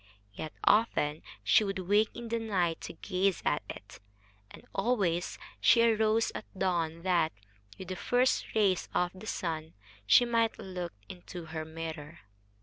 Yet often she would wake in the night to gaze at it, and always she arose at dawn that, with the first rays of the sun, she might look into her mirror.